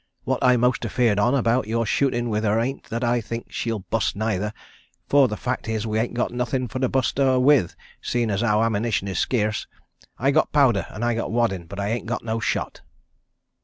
What I'm most afeard 'on about your shootin' with her ain't that I think she'll bust neither, for the fact is we ain't got nothin' for to bust her with, seein' as how ammynition is skeerce. I got powder, an' I got waddin', but I ain't got no shot."